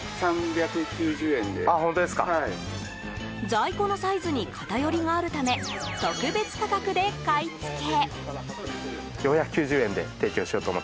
在庫のサイズに偏りがあるため特別価格で買い付け。